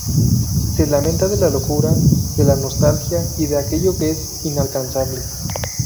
Se lamenta de la locura, de la nostalgia y de aquello que es inalcanzable.